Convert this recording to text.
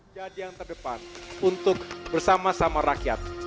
jadi yang terdepan untuk bersama sama rakyat